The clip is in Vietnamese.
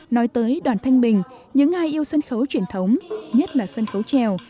nói tới đoàn thanh bình những ai yêu sân khấu truyền thống nhất là sân khấu trèo